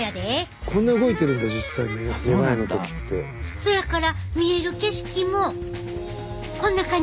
そやから見える景色もこんな感じ。